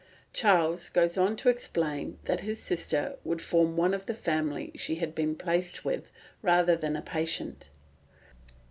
Charles goes on to explain that his sister would form one of the family she had been placed with rather than a patient.